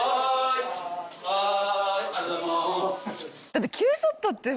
だって。